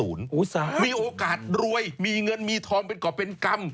มีโอกาสรวยมีเงินมีทองเป็นกรอบเป็นกรรม